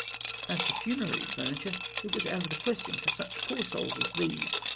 As to funerary furniture, it was out of the question for such poor souls as these.